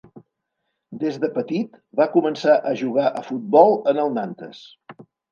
Des de petit va començar a jugar a futbol en el Nantes.